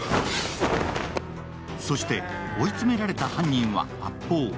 そして、追い詰められた犯人は発砲。